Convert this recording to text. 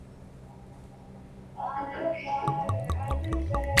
Come gambas, cangrejos, otros crustáceos y peces.